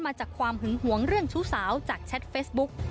มาจากความหึงหวงเรื่องชู้สาวจากแชทเฟซบุ๊ก